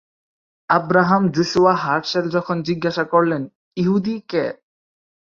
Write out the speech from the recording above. Abraham Joshua হার্শেল যখন জিজ্ঞাসা করলেন, "ইহুদি কে?"